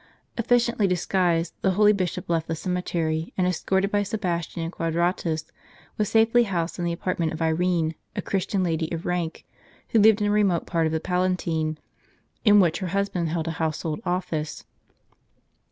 * Efficiently dis guised, the holy Bishop left the cemetery, and, escorted by Sebastian and Quadratus, was safely housed in the apart ments of Irene, a Christian lady of rank, who lived in a remote part of the Palatine, in which her husband held a household office.